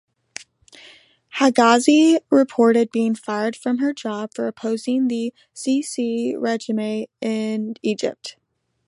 Hegazi reported being fired from her job for opposing the Sisi regime in Egypt.